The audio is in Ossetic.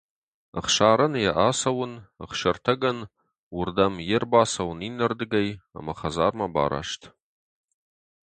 Ӕхсарӕн — йӕ ацӕуын, Ӕхсӕртӕгӕн — уырдӕм йе ʼрбацӕуын иннӕрдыгӕй, ӕмӕ хӕдзармӕ бараст.